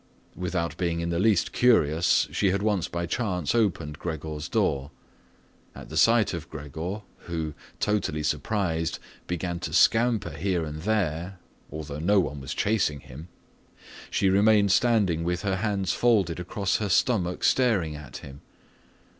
Without being in the least curious, she had once by chance opened Gregor's door. At the sight of Gregor, who, totally surprised, began to scamper here and there, although no one was chasing him, she remained standing with her hands folded across her stomach staring at him.